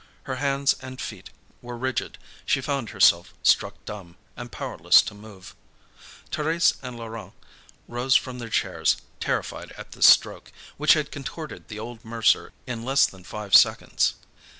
Her hands and feet were rigid. She found herself struck dumb, and powerless to move. Thérèse and Laurent rose from their chairs, terrified at this stroke, which had contorted the old mercer in less than five seconds.